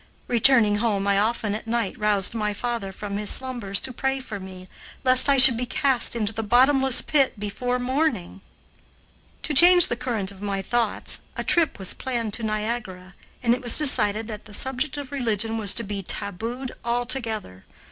Returning home, I often at night roused my father from his slumbers to pray for me, lest I should be cast into the bottomless pit before morning. To change the current of my thoughts, a trip was planned to Niagara, and it was decided that the subject of religion was to be tabooed altogether.